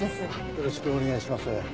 よろしくお願いします。